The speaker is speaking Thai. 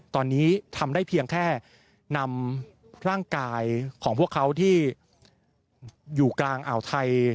ตอนนี้ทำได้เพียงแค่นำร่างกายของพวกเขาที่อยู่กลางอ่าวไทย